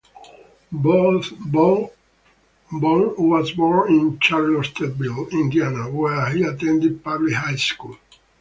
Bohn was born in Charlottesville, Indiana, where he attended public high school.